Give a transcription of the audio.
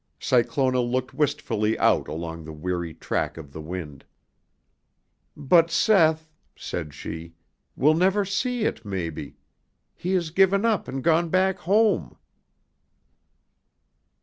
Cyclona looked wistfully out along the weary track of the wind. "But Seth," said she, "will never see it maybe. He has given up and gone back home."